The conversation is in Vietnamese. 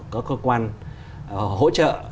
các cơ quan hỗ trợ